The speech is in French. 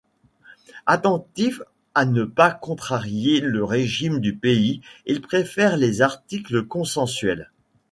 Attentif à ne pas contrarier le régime du pays, il préfère les articles consensuels.